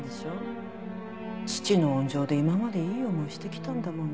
父の温情で今までいい思いしてきたんだもの。